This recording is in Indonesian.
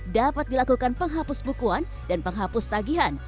dapat dilakukan penghapus bukuan dan penghapus tagihan